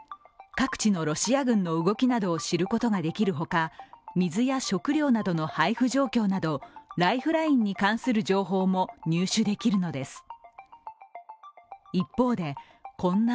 各地のロシア軍の動きなどを知ることができるほか、水や食料などの配布状況などライフラインに関する情報も入手できるのです。